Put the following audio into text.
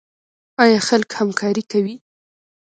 آیا خلک همکاري کوي؟